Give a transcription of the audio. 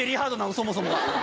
そもそも！